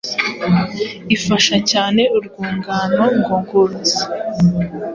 Ifasha cyane urwungano ngogozi